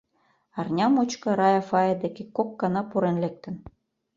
Арня мучко Рая Фая деке кок гана пурен лектын.